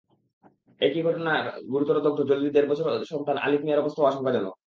একই ঘটনায় গুরুতর দগ্ধ জলির দেড় বছরের সন্তান আলিফ মিয়ার অবস্থাও আশঙ্কাজনক।